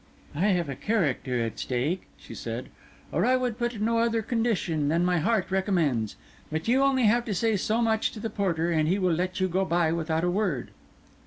"I have a character at stake," she said, "or I would put no other condition than my heart recommends. But you have only to say so much to the porter, and he will let you go by without a word."